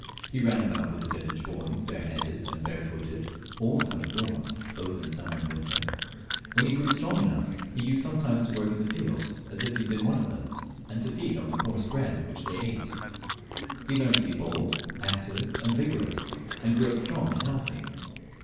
He ran about with the viUage boys bareheaded and barefooted, always out of doors,, both in summer and winter ; when he grew strong enough he used sometimes to work in the fields as if he had been one of them, and to feed on the coarse bread which they ate. He learned to be bold, active, and vigorous, and grew up strong and healthy.